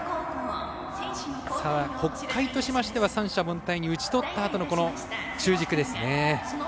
北海としましては三者凡退に打ち取ったあとのこの中軸ですね。